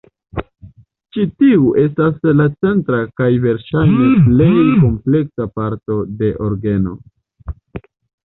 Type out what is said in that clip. Ĉi tiu estas la centra kaj verŝajne plej kompleksa parto de orgeno.